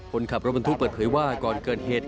คนขับรถบรรทุกเปิดเผยว่าก่อนเกิดเหตุ